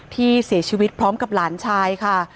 ที่เสียชีวิตพร้อมกับหลานชายค่ะ